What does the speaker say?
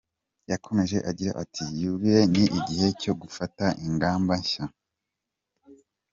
Yakomeje agira ati “yubile ni igihe cyo gufata ingamba nshya.